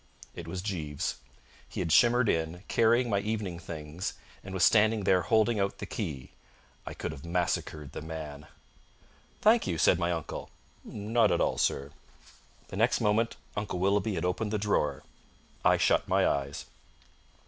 It was Jeeves. He had shimmered in, carrying my evening things, and was standing there holding out the key. I could have massacred the man. "Thank you," said my uncle. "Not at all, sir." The next moment Uncle Willoughby had opened the drawer. I shut my eyes.